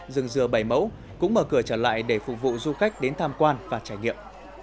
rừng dừa bảy mẫu cũng mở cửa trở lại để phục vụ du khách đến tham quan và trải nghiệm